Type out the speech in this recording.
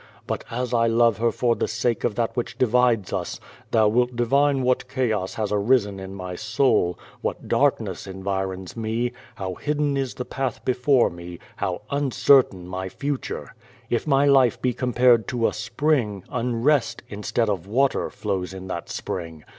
But as I love her for the sake of that which divides us, thou wilt divine what chaos has arisen in my soul, what dark nc*s8 environs me, how hidden is the path before me, how un certain my future. If my life be compared to a spring, un rest, instead of water, flows in that spring.